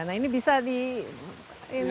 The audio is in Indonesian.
nah ini bisa didampingi